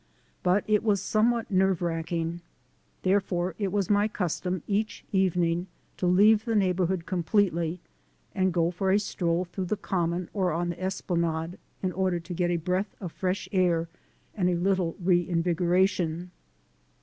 But it was somewhat nerve racking. Therefore, it was my custom each evening to leave the neighborhood completely and go for a stroll through the Common or on the Esplanade in order to get a breath of fresh air and a little re invigora tion.